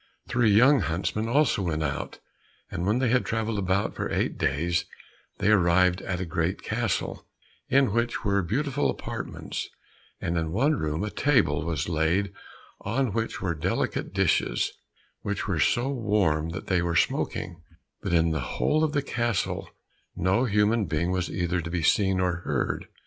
Three young huntsmen also went out, and when they had travelled about for eight days, they arrived at a great castle, in which were beautiful apartments, and in one room a table was laid on which were delicate dishes which were still so warm that they were smoking, but in the whole of the castle no human being was either to be seen or heard.